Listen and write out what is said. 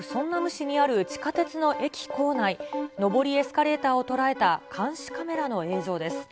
市にある地下鉄の駅構内、上りエスカレーターを捉えた監視カメラの映像です。